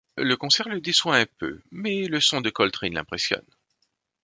Le concert le déçoit un peu, mais le son de Coltrane l'impressionne.